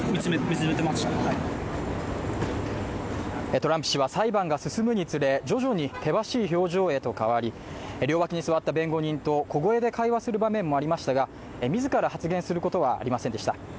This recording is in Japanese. トランプ氏は裁判が進むにつれ、徐々に険しい表情へと変わり、両脇に座った弁護人と小声で会話する場面もありましたが、自ら発言することはありませんでした。